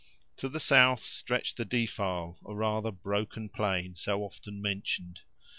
To the south stretched the defile, or rather broken plain, so often mentioned.